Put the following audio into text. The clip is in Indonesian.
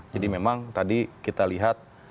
jadi memang tadi kita lihat